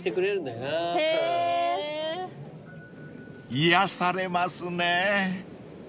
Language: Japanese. ［癒やされますねぇ］